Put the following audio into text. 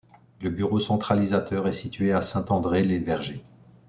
Le bureau centralisateur est situé à Saint-André-les-Vergers.